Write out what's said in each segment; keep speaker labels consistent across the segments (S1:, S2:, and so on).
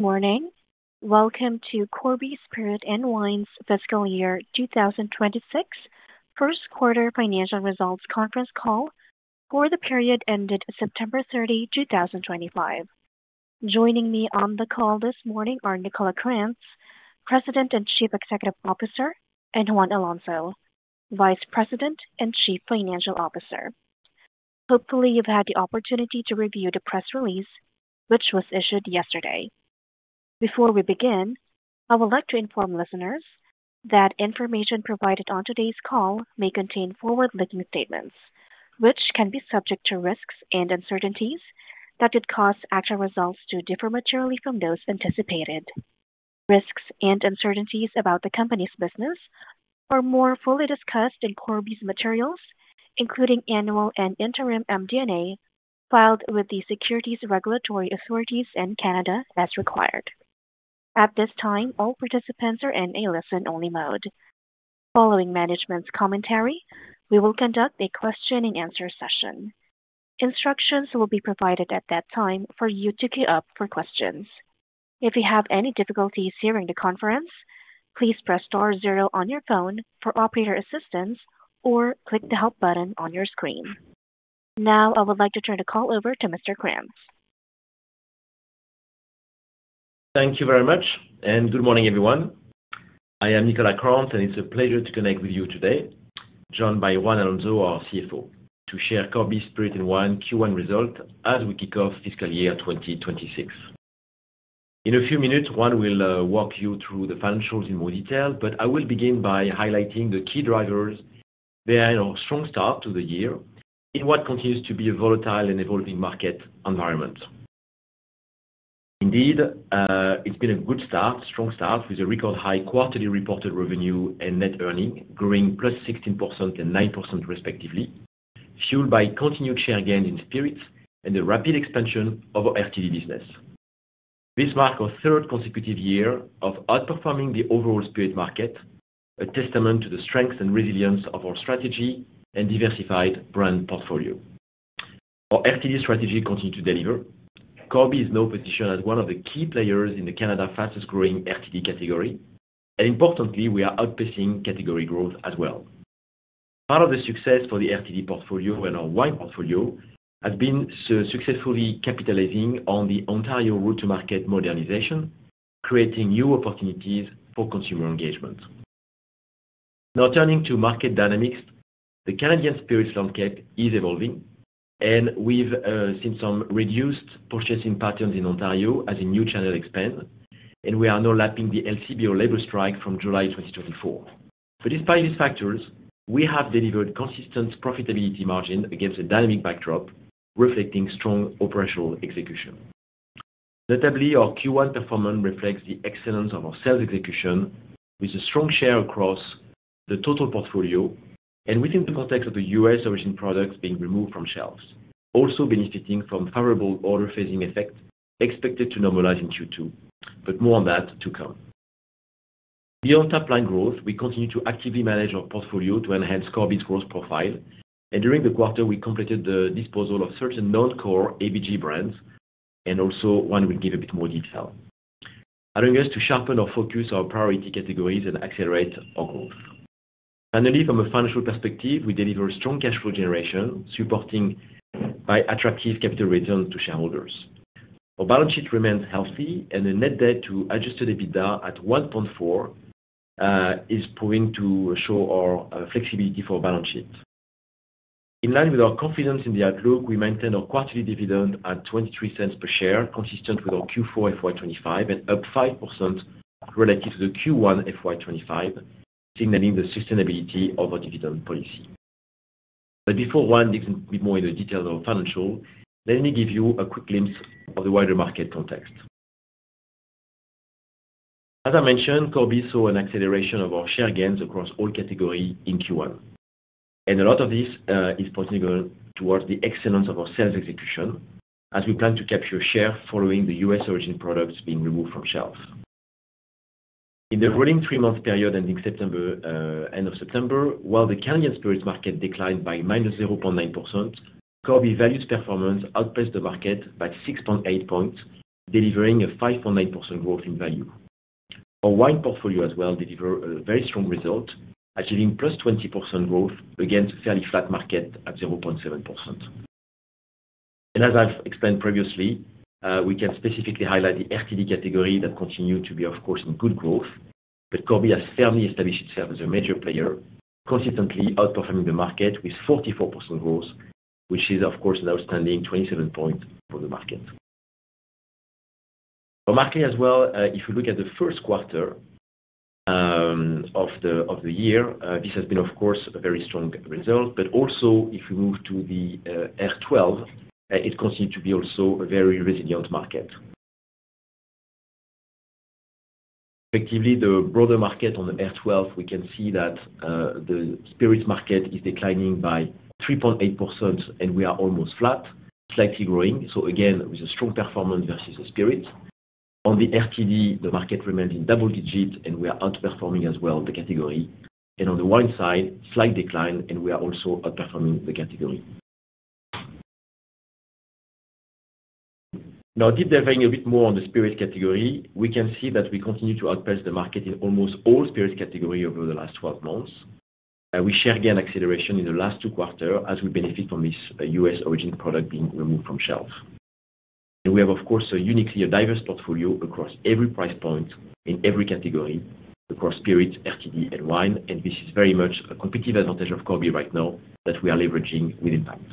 S1: Morning. Welcome to Corby Spirit and Wine's Fiscal Year 2026 First Quarter Financial Results Conference Call for the period ended September 30, 2025. Joining me on the call this morning are Nicolas Krantz, President and Chief Executive Officer, and Juan Alonso, Vice President and Chief Financial Officer. Hopefully, you've had the opportunity to review the press release, which was issued yesterday. Before we begin, I would like to inform listeners that information provided on today's call may contain forward-looking statements, which can be subject to risks and uncertainties that could cause actual results to differ materially from those anticipated. Risks and uncertainties about the company's business are more fully discussed in Corby's materials, including annual and interim MD&A filed with the securities regulatory authorities in Canada as required. At this time, all participants are in a listen-only mode. Following management's commentary, we will conduct a question-and-answer session. Instructions will be provided at that time for you to queue up for questions. If you have any difficulties hearing the conference, please press star zero on your phone for operator assistance or click the help button on your screen. Now, I would like to turn the call over to Mr. Krantz.
S2: Thank you very much, and good morning, everyone. I am Nicolas Krantz, and it's a pleasure to connect with you today, joined by Juan Alonso, our CFO, to share Corby Spirit and Wine Q1 results as we kick off Fiscal Year 2026. In a few minutes, Juan will walk you through the financials in more detail, but I will begin by highlighting the key drivers behind our strong start to the year in what continues to be a volatile and evolving market environment. Indeed, it's been a good start, strong start, with a record high quarterly reported revenue and net earning growing plus 16% and 9% respectively, fueled by continued share gains in spirits and the rapid expansion of our RTD business. This marks our third consecutive year of outperforming the overall spirit market, a testament to the strength and resilience of our strategy and diversified brand portfolio. Our RTD strategy continues to deliver. Corby is now positioned as one of the key players in Canada's fastest-growing RTD category, and importantly, we are outpacing category growth as well. Part of the success for the RTD portfolio and our wine portfolio has been successfully capitalizing on the Ontario route-to-market modernization, creating new opportunities for consumer engagement. Now, turning to market dynamics, the Canadian spirits landscape is evolving, and we've seen some reduced purchasing patterns in Ontario as a new channel expands, and we are now lapping the LCBO labor strike from July 2024. Despite these factors, we have delivered consistent profitability margins against a dynamic backdrop reflecting strong operational execution. Notably, our Q1 performance reflects the excellence of our sales execution, with a strong share across the total portfolio and within the context of the US-origin products being removed from shelves, also benefiting from favorable order-facing effects expected to normalize in Q2. More on that to come. Beyond top-line growth, we continue to actively manage our portfolio to enhance Corby's growth profile, and during the quarter, we completed the disposal of certain non-core ABG brands, and also Juan Alonso will give a bit more detail, allowing us to sharpen our focus on priority categories and accelerate our growth. Finally, from a financial perspective, we deliver strong cash flow generation supported by attractive capital returns to shareholders. Our balance sheet remains healthy, and the net debt to adjusted EBITDA at 1.4 is proving to show our flexibility for balance sheet. In line with our confidence in the outlook, we maintain our quarterly dividend at 0.23 per share, consistent with our Q4 FY2025 and up 5% relative to the Q1 FY2025, signaling the sustainability of our dividend policy. Before Juan digs a bit more into detail of our financials, let me give you a quick glimpse of the wider market context. As I mentioned, Corby saw an acceleration of our share gains across all categories in Q1, and a lot of this is pointing towards the excellence of our sales execution, as we plan to capture share following the US-origin products being removed from shelves. In the running three-month period ending September, end of September, while the Canadian spirits market declined by -0.9%, Corby values performance outpaced the market by 6.8 points, delivering a 5.9% growth in value. Our wine portfolio as well delivered a very strong result, achieving +20% growth against a fairly flat market at 0.7%. As I've explained previously, we can specifically highlight the RTD category that continues to be, of course, in good growth, but Corby has firmly established itself as a major player, consistently outperforming the market with 44% growth, which is, of course, an outstanding 27 points for the market. For market as well, if we look at the first quarter of the year, this has been, of course, a very strong result, but also if we move to the F12, it continues to be also a very resilient market. Effectively, the broader market on the F12, we can see that the spirits market is declining by 3.8%, and we are almost flat, slightly growing. Again, with a strong performance versus the spirits. On the RTD, the market remains in double digits, and we are outperforming as well the category. On the wine side, slight decline, and we are also outperforming the category. Now, deep diving a bit more on the spirits category, we can see that we continue to outpace the market in almost all spirits categories over the last 12 months. We share again acceleration in the last two quarters as we benefit from this US-origin product being removed from shelves. We have, of course, uniquely a diverse portfolio across every price point in every category across spirits, RTD, and wine, and this is very much a competitive advantage of Corby right now that we are leveraging with impact.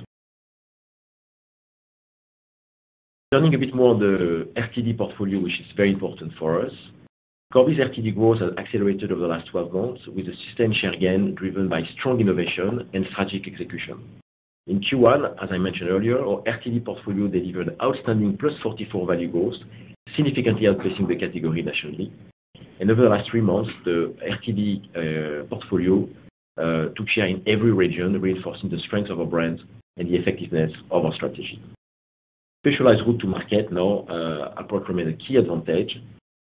S2: Turning a bit more on the RTD portfolio, which is very important for us, Corby's RTD growth has accelerated over the last 12 months with a sustained share gain driven by strong innovation and strategic execution. In Q1, as I mentioned earlier, our RTD portfolio delivered outstanding +44% value growth, significantly outpacing the category nationally. Over the last three months, the RTD portfolio took share in every region, reinforcing the strength of our brand and the effectiveness of our strategy. Specialized route-to-market now outperforming, a key advantage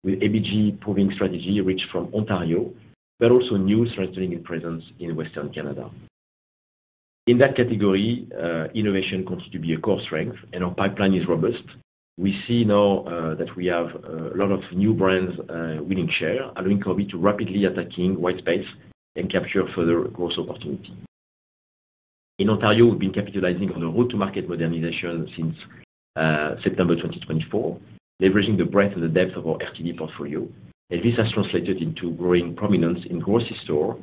S2: with ABG proving strategy reached from Ontario, but also new strengthening in presence in Western Canada. In that category, innovation continues to be a core strength, and our pipeline is robust. We see now that we have a lot of new brands winning share, allowing Corby to rapidly attack white space and capture further growth opportunities. In Ontario, we've been capitalizing on the route-to-market modernization since September 2024, leveraging the breadth and the depth of our RTD portfolio, and this has translated into growing prominence in grocery stores,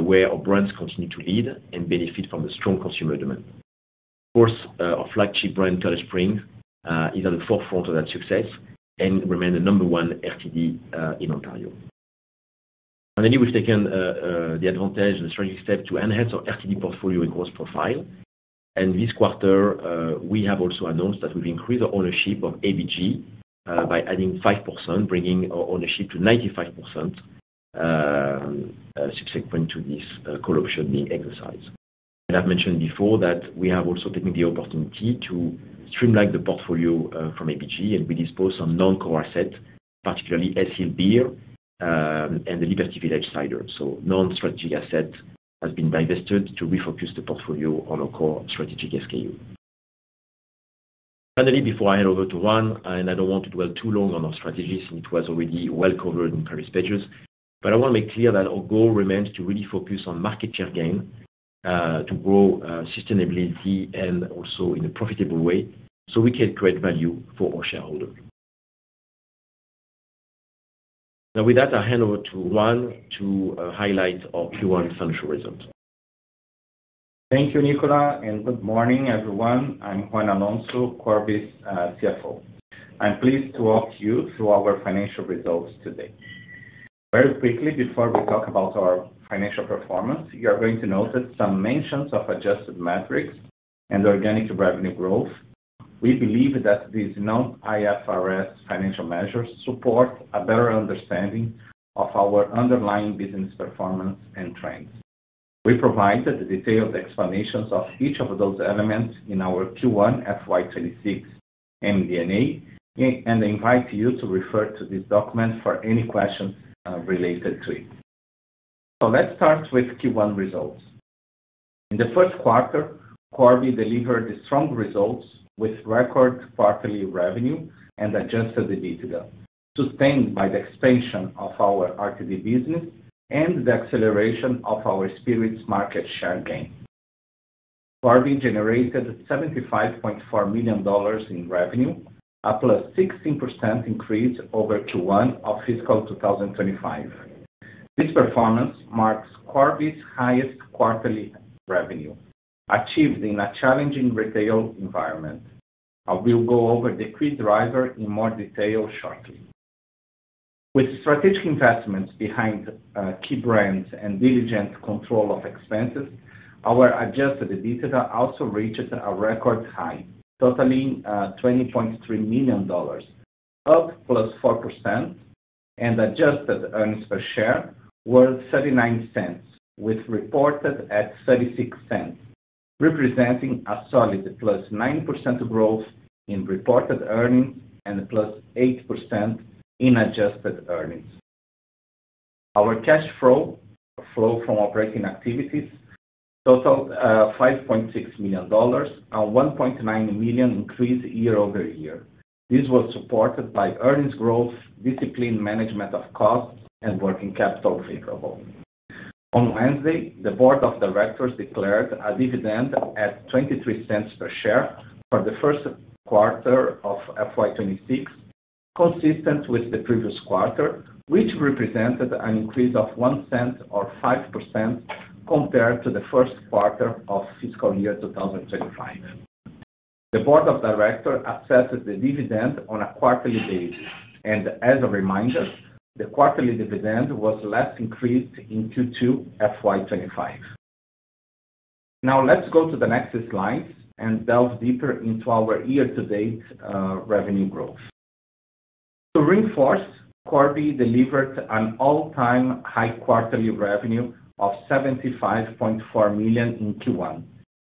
S2: where our brands continue to lead and benefit from the strong consumer demand. Of course, our flagship brand, Keller Springs, is at the forefront of that success and remains the number one RTD in Ontario. Finally, we've taken the advantage and the strategic step to enhance our RTD portfolio and growth profile. This quarter, we have also announced that we've increased our ownership of ABG by adding 5%, bringing our ownership to 95% subsequent to this call option being exercised. I've mentioned before that we have also taken the opportunity to streamline the portfolio from ABG, and we disposed of some non-core assets, particularly Ace Hill Beer and the Liberty Village Cider. Non-strategic assets have been divested to refocus the portfolio on our core strategic SKU. Finally, before I hand over to Juan, and I do not want to dwell too long on our strategies, and it was already well covered in previous pages, but I want to make clear that our goal remains to really focus on market share gain to grow sustainably and also in a profitable way so we can create value for our shareholders. Now, with that, I will hand over to Juan to highlight our Q1 financial results.
S3: Thank you, Nicolas, and good morning, everyone. I'm Juan Alonso, Corby's CFO. I'm pleased to walk you through our financial results today. Very quickly, before we talk about our financial performance, you're going to notice some mentions of adjusted metrics and organic revenue growth. We believe that these non-IFRS financial measures support a better understanding of our underlying business performance and trends. We provided detailed explanations of each of those elements in our Q1 FY2026 MD&A and invite you to refer to this document for any questions related to it. Let's start with Q1 results. In the first quarter, Corby delivered strong results with record quarterly revenue and adjusted EBITDA, sustained by the expansion of our RTD business and the acceleration of our spirits market share gain. Corby generated 75.4 million dollars in revenue, a plus 16% increase over Q1 of fiscal 2025. This performance marks Corby's highest quarterly revenue achieved in a challenging retail environment. We'll go over the key driver in more detail shortly. With strategic investments behind key brands and diligent control of expenses, our adjusted EBITDA also reached a record high, totaling 20.3 million dollars, up +4%, and adjusted earnings per share were 0.39, with reported at 0.36, representing a solid +9% growth in reported earnings and +8% in adjusted earnings. Our cash flow from operating activities totaled 5.6 million dollars and 1.9 million increased year over year. This was supported by earnings growth, disciplined management of costs, and working capital favorable. On Wednesday, the Board of Directors declared a dividend at 0.23 per share for the first quarter of FY2026, consistent with the previous quarter, which represented an increase of 0.01 or 5% compared to the first quarter of fiscal year 2025. The board of directors assessed the dividend on a quarterly basis, and as a reminder, the quarterly dividend was last increased in Q2 FY2025. Now, let's go to the next slides and delve deeper into our year-to-date revenue growth. To reinforce, Corby delivered an all-time high quarterly revenue of 75.4 million in Q1,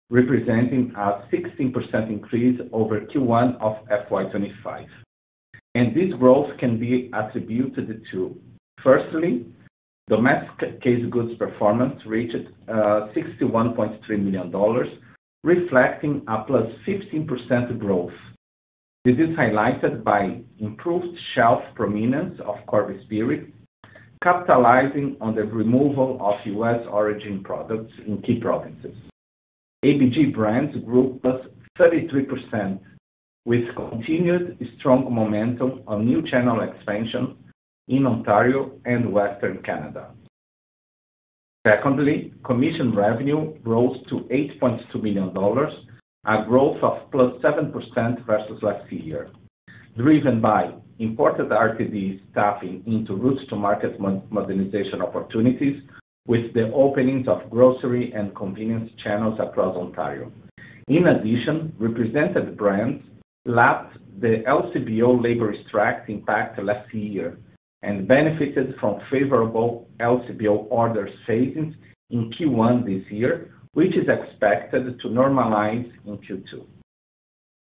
S3: representing a 16% increase over Q1 of FY2025. This growth can be attributed to, firstly, domestic case goods performance reached 61.3 million dollars, reflecting a plus 15% growth. This is highlighted by improved shelf prominence of Corby Spirit, capitalizing on the removal of US-origin products in key provinces. ABG brands grew +33%, with continued strong momentum on new channel expansion in Ontario and Western Canada. Secondly, commission revenue rose to 8.2 million dollars, a growth of +7% versus last year, driven by imported RTDs tapping into route-to-market modernization opportunities with the openings of grocery and convenience channels across Ontario. In addition, represented brands lapped the LCBO labor strike impact last year and benefited from favorable LCBO order phases in Q1 this year, which is expected to normalize in Q2.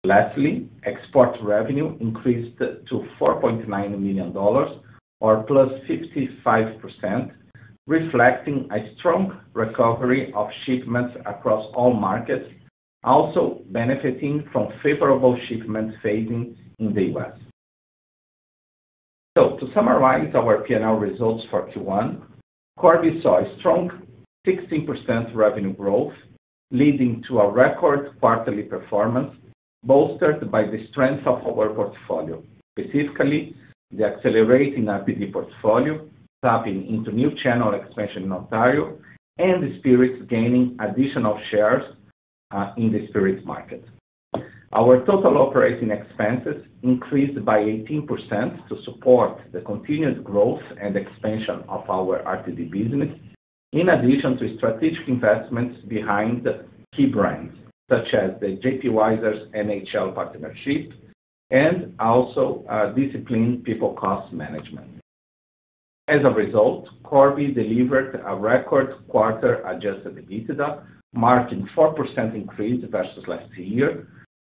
S3: Lastly, export revenue increased to 4.9 million dollars or +55%, reflecting a strong recovery of shipments across all markets, also benefiting from favorable shipment phasing in the U.S. To summarize our P&L results for Q1, Corby saw a strong 16% revenue growth, leading to a record quarterly performance bolstered by the strength of our portfolio, specifically the accelerating RTD portfolio, tapping into new channel expansion in Ontario, and the spirits gaining additional shares in the spirits market. Our total operating expenses increased by 18% to support the continued growth and expansion of our RTD business, in addition to strategic investments behind key brands such as the J.P. Wiser's NHL partnership and also disciplined people cost management. As a result, Corby delivered a record quarter adjusted EBITDA, marking a 4% increase versus last year,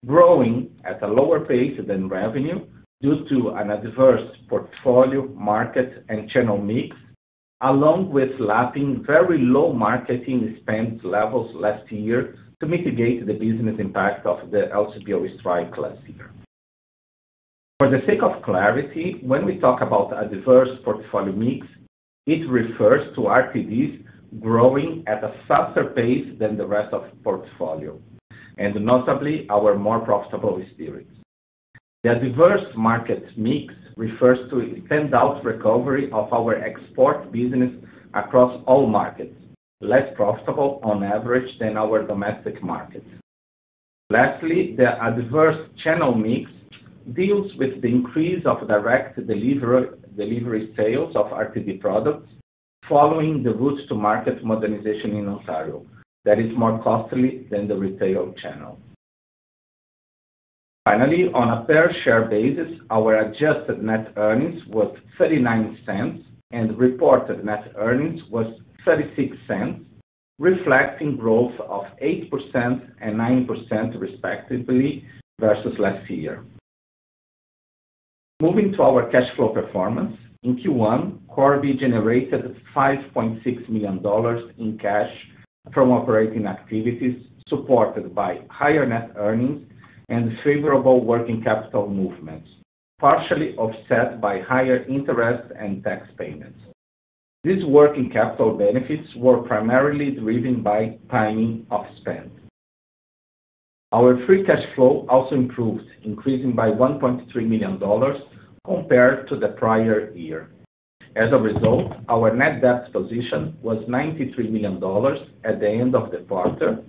S3: growing at a lower pace than revenue due to an adverse portfolio, market, and channel mix, along with lapping very low marketing spend levels last year to mitigate the business impact of the LCBO strike last year. For the sake of clarity, when we talk about a diverse portfolio mix, it refers to RTDs growing at a faster pace than the rest of the portfolio, and notably, our more profitable spirits. The diverse market mix refers to the standout recovery of our export business across all markets, less profitable on average than our domestic markets. Lastly, the adverse channel mix deals with the increase of direct delivery sales of RTD products following the route-to-market modernization in Ontario that is more costly than the retail channel. Finally, on a per-share basis, our adjusted net earnings was 0.39, and reported net earnings was 0.36, reflecting growth of 8% and 9% respectively versus last year. Moving to our cash flow performance, in Q1, Corby generated 5.6 million dollars in cash from operating activities supported by higher net earnings and favorable working capital movements, partially offset by higher interest and tax payments. These working capital benefits were primarily driven by timing of spend. Our free cash flow also improved, increasing by 1.3 million dollars compared to the prior year. As a result, our net debt position was 93 million dollars at the end of the quarter,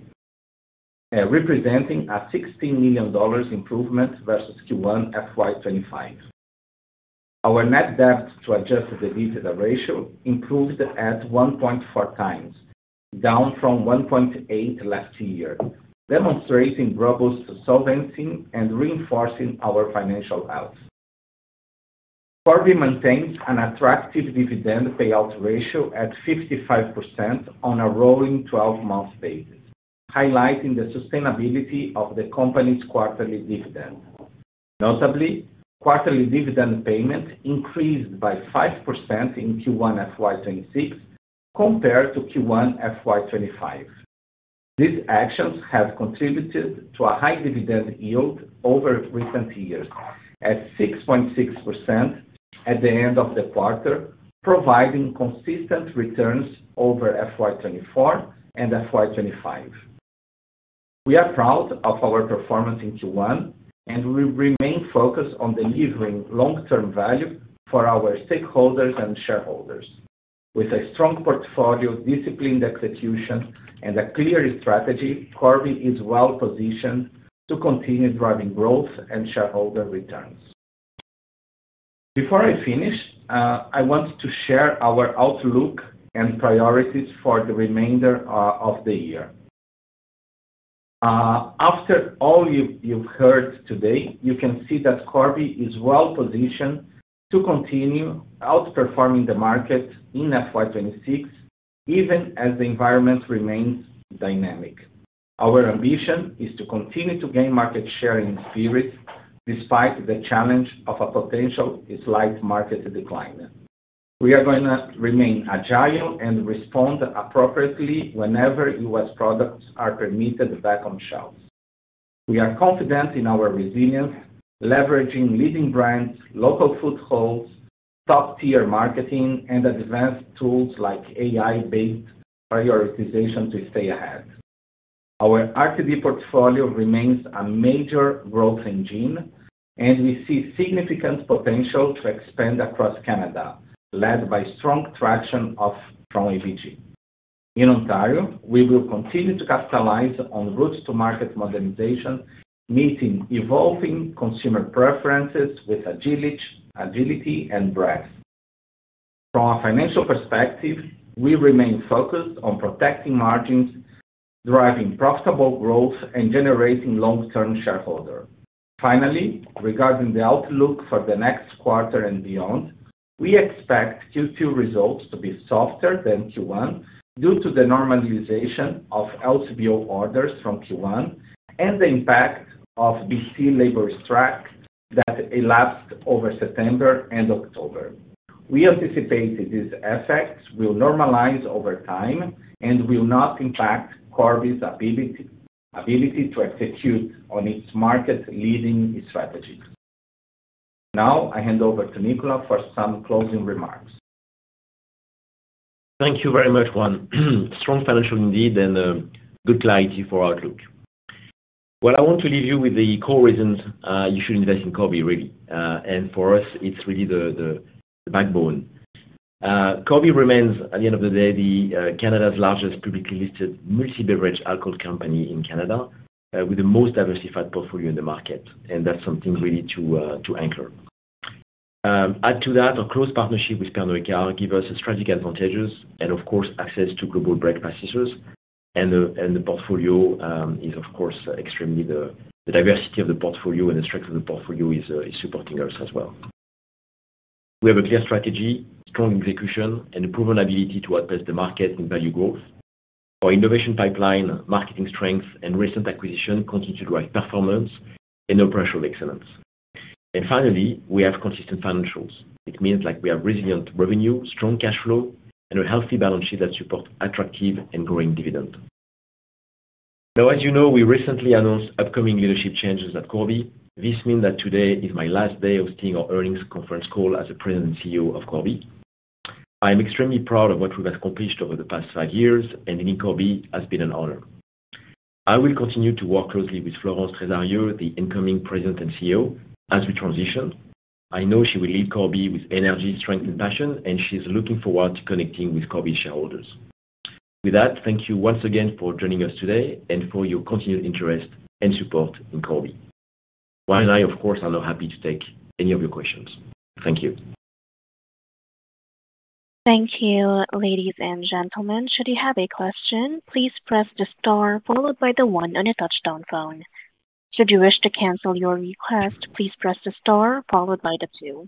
S3: representing a 16 million dollars improvement versus Q1 2025. Our net debt to adjusted EBITDA ratio improved at 1.4 times, down from 1.8 last year, demonstrating robust solvency and reinforcing our financial health. Corby maintains an attractive dividend payout ratio at 55% on a rolling 12-month basis, highlighting the sustainability of the company's quarterly dividend. Notably, quarterly dividend payment increased by 5% in Q1 FY2026 compared to Q1 FY2025. These actions have contributed to a high dividend yield over recent years at 6.6% at the end of the quarter, providing consistent returns over FY2024 and FY2025. We are proud of our performance in Q1, and we remain focused on delivering long-term value for our stakeholders and shareholders. With a strong portfolio, disciplined execution, and a clear strategy, Corby is well positioned to continue driving growth and shareholder returns. Before I finish, I want to share our outlook and priorities for the remainder of the year. After all you've heard today, you can see that Corby is well positioned to continue outperforming the market in FY2026, even as the environment remains dynamic. Our ambition is to continue to gain market share in spirits despite the challenge of a potential slight market decline. We are going to remain agile and respond appropriately whenever U.S. products are permitted back on shelves. We are confident in our resilience, leveraging leading brands, local footholds, top-tier marketing, and advanced tools like AI-based prioritization to stay ahead. Our RTD portfolio remains a major growth engine, and we see significant potential to expand across Canada, led by strong traction from ABG. In Ontario, we will continue to capitalize on route-to-market modernization, meeting evolving consumer preferences with agility and breadth. From a financial perspective, we remain focused on protecting margins, driving profitable growth, and generating long-term shareholders. Finally, regarding the outlook for the next quarter and beyond, we expect Q2 results to be softer than Q1 due to the normalization of LCBO orders from Q1 and the impact of the BC labor strike that elapsed over September and October. We anticipate these effects will normalize over time and will not impact Corby's ability to execute on its market-leading strategy. Now, I hand over to Nicolas for some closing remarks.
S2: Thank you very much, Juan. Strong financial indeed and good clarity for outlook. I want to leave you with the core reasons you should invest in Corby, really. For us, it's really the backbone. Corby remains, at the end of the day, Canada's largest publicly listed multi-beverage alcohol company in Canada, with the most diversified portfolio in the market. That's something really to anchor. Add to that, our close partnership with Pernod Ricard gives us strategic advantages and, of course, access to global break passages. The portfolio is, of course, extremely, the diversity of the portfolio and the strength of the portfolio is supporting us as well. We have a clear strategy, strong execution, and a proven ability to outpace the market in value growth. Our innovation pipeline, marketing strength, and recent acquisition continue to drive performance and operational excellence. Finally, we have consistent financials. It means we have resilient revenue, strong cash flow, and a healthy balance sheet that supports attractive and growing dividend. Now, as you know, we recently announced upcoming leadership changes at Corby. This means that today is my last day hosting our earnings conference call as the President and CEO of Corby. I am extremely proud of what we've accomplished over the past five years, and Corby has been an honor. I will continue to work closely with Florence Tresarrieu, the incoming President and CEO, as we transition. I know she will lead Corby with energy, strength, and passion, and she's looking forward to connecting with Corby's shareholders. With that, thank you once again for joining us today and for your continued interest and support in Corby. Juan and I, of course, are now happy to take any of your questions. Thank you.
S1: Thank you, ladies and gentlemen. Should you have a question, please press the star followed by the one on a touch-tone phone. Should you wish to cancel your request, please press the star followed by the two.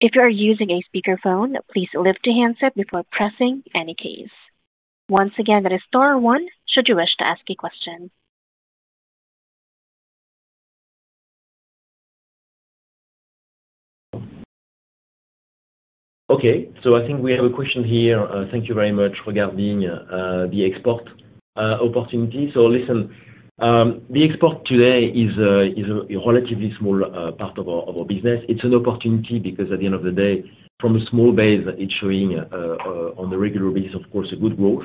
S1: If you are using a speakerphone, please lift the handset before pressing any keys. Once again, that is star one. Should you wish to ask a question?
S2: Okay. I think we have a question here. Thank you very much regarding the export opportunity. Listen, the export today is a relatively small part of our business. It's an opportunity because, at the end of the day, from a small base, it's showing on a regular basis, of course, a good growth.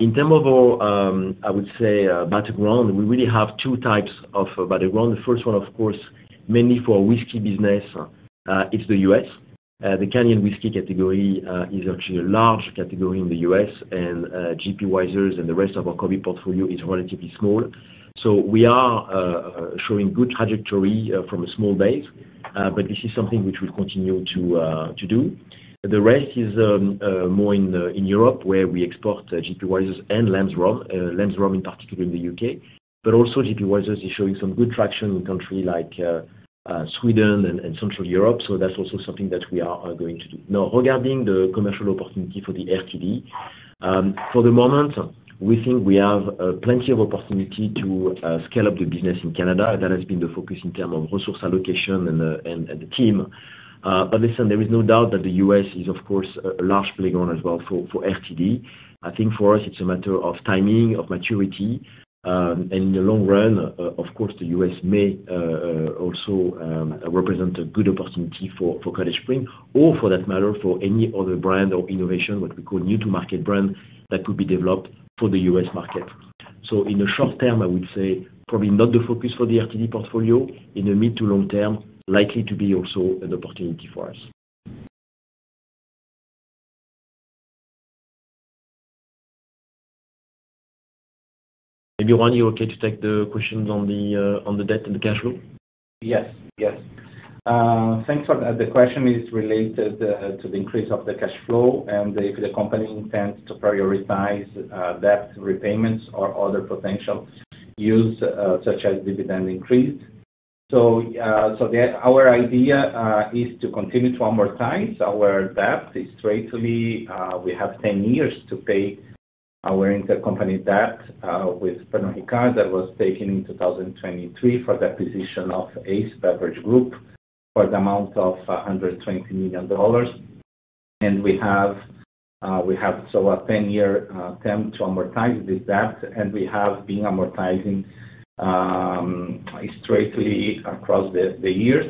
S2: In terms of our, I would say, background, we really have two types of background. The first one, of course, mainly for whisky business, it's the U..S. The Canadian whisky category is actually a large category in the U.S., and J.P. Wiser's and the rest of our Corby portfolio is relatively small. We are showing good trajectory from a small base, but this is something which we'll continue to do. The rest is more in Europe, where we export J.P. Wiser's and Lamb's Rum, Lamb's Rum in particular in the U.K., but also J.P. Wiser's is showing some good traction in countries like Sweden and Central Europe. That is also something that we are going to do. Now, regarding the commercial opportunity for the RTD, for the moment, we think we have plenty of opportunity to scale up the business in Canada. That has been the focus in terms of resource allocation and the team. Listen, there is no doubt that the U.S. is, of course, a large playground as well for RTD. I think for us, it is a matter of timing, of maturity. In the long run, of course, the U.S. may also represent a good opportunity for Cottage Springs or, for that matter, for any other brand or innovation, what we call new-to-market brand that could be developed for the U.S. market. In the short term, I would say probably not the focus for the RTD portfolio. In the mid to long term, likely to be also an opportunity for us. Maybe Juan, you're okay to take the question on the debt and the cash flow?
S3: Yes. Yes. Thanks for that. The question is related to the increase of the cash flow and if the company intends to prioritize debt repayments or other potential use such as dividend increase. Our idea is to continue to amortize our debt straightly. We have 10 years to pay our intercompany debt with Pernod Ricard that was taken in 2023 for the acquisition of Ace Beverage Group for the amount of 120 million dollars. We have a 10-year attempt to amortize this debt, and we have been amortizing straightly across the years.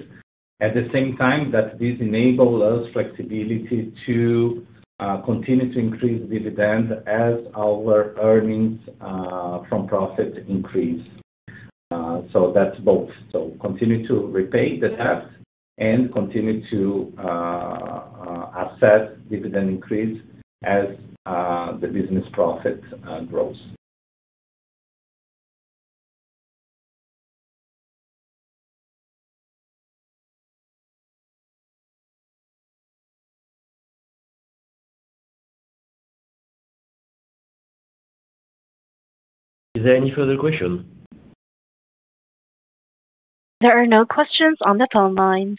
S3: At the same time, this enables us flexibility to continue to increase dividend as our earnings from profit increase. That's both. Continue to repay the debt and continue to assess dividend increase as the business profit grows.
S2: Is there any further question?
S1: There are no questions on the phone lines.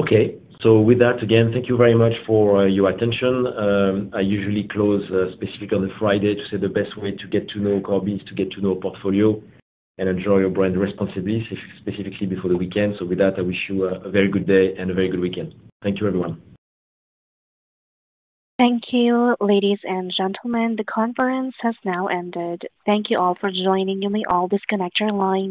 S2: Okay. So with that, again, thank you very much for your attention. I usually close specifically on Friday to say the best way to get to know Corby is to get to know a portfolio and enjoy your brand responsibilities, specifically before the weekend. So with that, I wish you a very good day and a very good weekend. Thank you, everyone.
S1: Thank you, ladies and gentlemen. The conference has now ended. Thank you all for joining. You may all disconnect your lines.